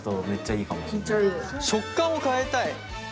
食感を変えたい。